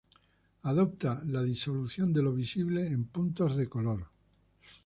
Adopta la disolución de lo visible en puntos de color.